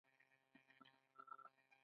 کاناډا په نړیوال سوداګریز سازمان کې دی.